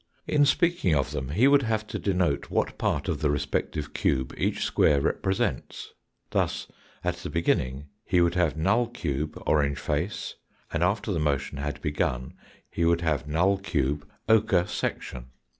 In speaking of them he would have to denote what part of the respective cube each square repre sents. Thus, at the begin ning he would have null cube orange face, and after the motion had begun he would have null cube ochre section.